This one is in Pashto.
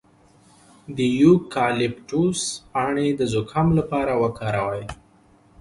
د یوکالیپټوس پاڼې د زکام لپاره وکاروئ